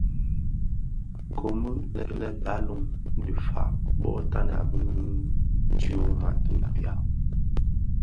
Komid lè Balum dhi fag bō toňdènga bi tyoma ti bia.